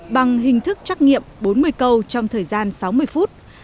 bằng hình thức trắc nghiệm bốn mươi câu trong thời gian sáu mươi phút